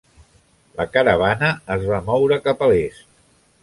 La caravana es va moure cap a l'est.